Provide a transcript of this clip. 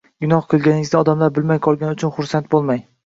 Gunoh qilganingizni odamlar bilmay qolgani uchun xursand bo‘lmang.